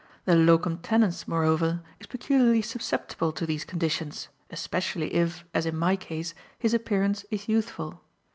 The locum tenens, moreover, is peculiarly susceptible to these conditions, especially if, as in my case, his appearance is youthful.